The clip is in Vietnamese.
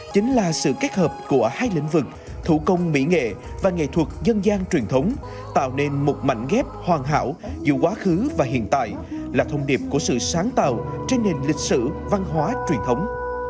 chính là sự kết hợp của hai lĩnh vực thủ công mỹ nghệ và nghệ thuật dân gian truyền thống tạo nên một mảnh ghép hoàn hảo giữa quá khứ và hiện tại là thông điệp của sự sáng tạo trên nền lịch sử văn hóa truyền thống